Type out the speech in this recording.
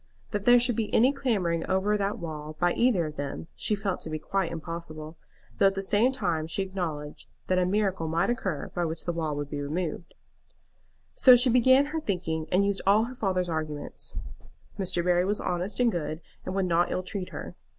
That there should be any clambering over that wall by either of them she felt to be quite impossible, though at the same time she acknowledged that a miracle might occur by which the wall would be removed, So she began her thinking, and used all her father's arguments. Mr. Barry was honest and good, and would not ill treat her.